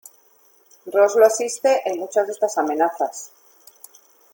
Ross lo asiste en muchas de estas amenazas.